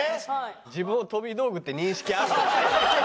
自分を飛び道具って認識ある。